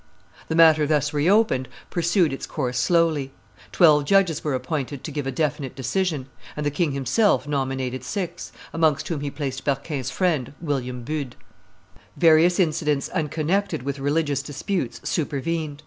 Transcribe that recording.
The matter thus reopened pursued its course slowly; twelve judges were appointed to give a definite decision; and the king himself nominated six, amongst whom he placed Berquin's friend, William Bude. Various incidents unconnected with religious disputes supervened.